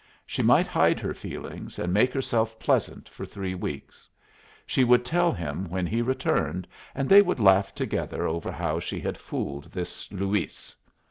She might hide her feelings and make herself pleasant for three weeks. She would tell him when he returned, and they would laugh together over how she had fooled this Luis.